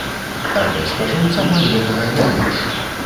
Але спажыўцам ад гэтага не лепш.